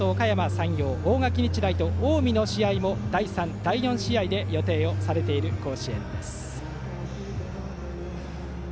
山陽大垣日大と近江の試合も第３、第４試合で予定されている甲子園です。